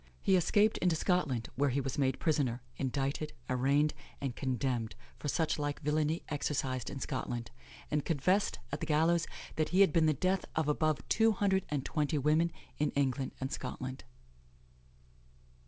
He escaped into Scotland, where he was made prisoner, indicted, arraigned, and condemned for such like villany exercised in Scotland, and confessed at the gallows that he had been the death of above two hundred and twenty women in England and Scotland."